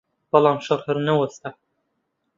بەڵام شەڕ هەر نەوەستا